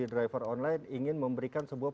driver online ingin memberikan sebuah